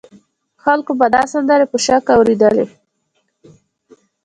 خلکو به دا سندرې په شوق اورېدلې.